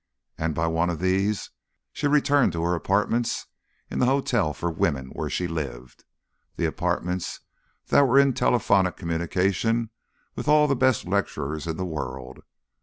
And by one of these she returned to her apartments in the Hotel for Women where she lived, the apartments that were in telephonic communication with all the best lecturers in the world.